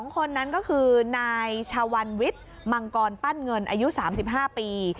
๒คนนั้นก็คือนายชาวันวิทย์มังกรปั้นเงินอายุ๓๕ปี